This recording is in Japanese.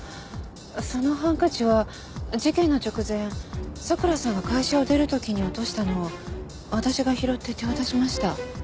そのハンカチは事件の直前咲良さんが会社を出る時に落としたのを私が拾って手渡しました。